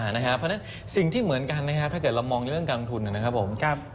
เพราะฉะนั้นสิ่งที่เหมือนกันถ้าเกิดเรามองเรื่องการลงทุน